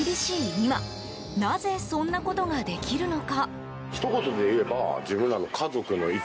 今なぜそんなことができるのか？